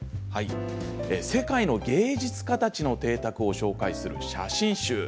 世界の芸術家たちの邸宅を紹介する写真集。